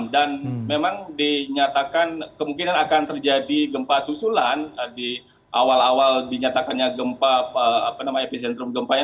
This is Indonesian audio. dan memang dinyatakan kemungkinan akan terjadi gempa susulan di awal awal dinyatakannya gempa apa namanya epicentrum gempanya